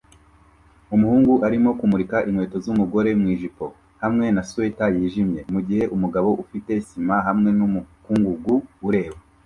Umuhungu arimo kumurika inkweto zumugore mwijipo hamwe na swater yijimye mugihe umugabo ufite sima hamwe numukungugu ureba